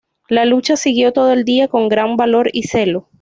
La lucha siguió todo el día con gran valor y celo.